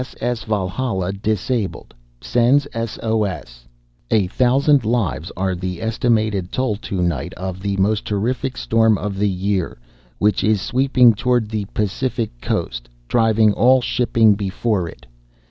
S. S. Valhalla, disabled, sends S. O. S. "A thousand lives are the estimated toll to night of the most terrific storm of the year, which is sweeping toward the Pacific coast, driving all shipping before it.